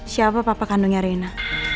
siapa papa kandungnya rena